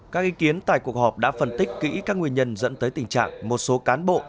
các ý kiến tại cuộc họp đã phân tích kỹ các nguyên nhân dẫn tới tình trạng một số cán bộ